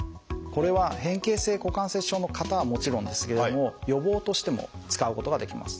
これは変形性股関節症の方はもちろんですけれども予防としても使うことができます。